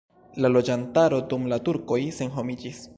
La loĝantaro dum la turkoj senhomiĝis.